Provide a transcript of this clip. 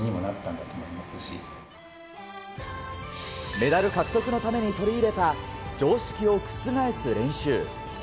メダル獲得のために取り入れた常識を覆す練習。